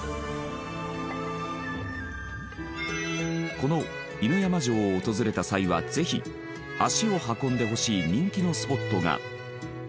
この犬山城を訪れた際はぜひ足を運んでほしい人気のスポットが。